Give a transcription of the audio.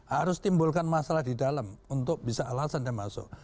harus timbulkan masalah di dalam untuk bisa alasan dia masuk